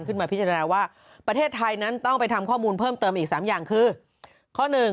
ขึ้นมาพิจารณาว่าประเทศไทยนั้นต้องไปทำข้อมูลเพิ่มเติมอีก๓อย่างคือข้อหนึ่ง